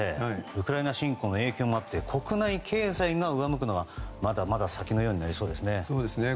ウクライナ侵攻の影響もあって国内経済が上向くのは先になりそうですね。